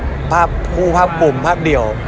น่าจะมีภาพคู่ภาพกลุ่มภาพเดี่ยว